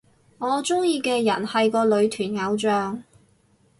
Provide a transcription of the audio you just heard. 我鍾意嘅人係個女團偶像